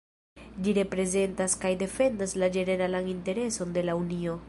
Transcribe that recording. Ĝi reprezentas kaj defendas la ĝeneralan intereson de la Unio.